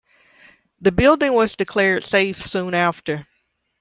The building was declared safe soon after.